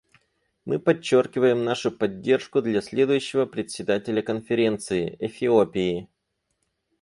Мы подчеркиваем нашу поддержку для следующего Председателя Конференции — Эфиопии.